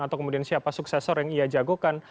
atau kemudian siapa suksesor yang ia jagokan